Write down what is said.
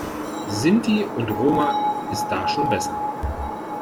Sinti und Roma ist da schon besser.